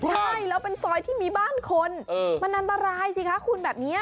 ใช่แล้วเป็นซอยที่มีบ้านคนมันอันตรายสิคะคุณแบบนี้